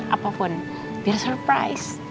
apapun biar surprise